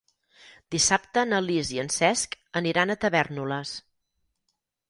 Dissabte na Lis i en Cesc aniran a Tavèrnoles.